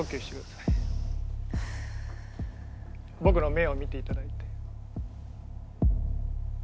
僕の目を見ていただいて。